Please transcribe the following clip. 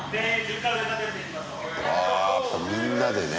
あやっぱみんなでね。